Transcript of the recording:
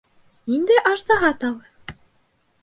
Ниндәй аждаһа тағы!